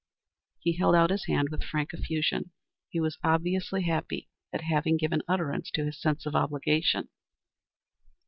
He held out his hand with frank effusion. He was obviously happy at having given utterance to his sense of obligation.